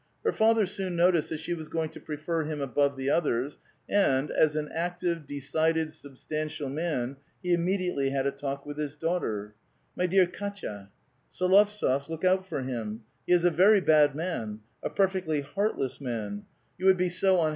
Her father soon noticed that she was £ioing to prefer him above the others ; and, as an active, decided, substantial man, he immediatelv had a talk with his daughter :—" My dear Kdtya — S61ovtsof , look out for him ; he is a very bad man, a perfectly heartless man ; you would be so 406 A VITAL QUESTION.